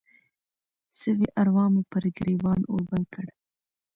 سوي اروا مې پر ګریوان اور بل کړ